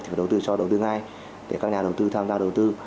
phải đầu tư cho đầu tư ngay để các nhà đầu tư tham gia đầu tư